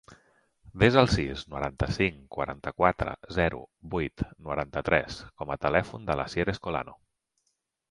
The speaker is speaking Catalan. Desa el sis, noranta-cinc, quaranta-quatre, zero, vuit, noranta-tres com a telèfon de l'Asier Escolano.